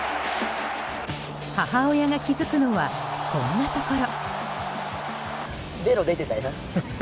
母親が気付くのはこんなところ。